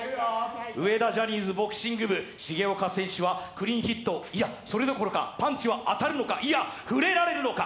上田ジャニーズボクシング部、重岡選手はクリーンヒットいや、それどころかパンチは当たるのか、いや触れられるのか。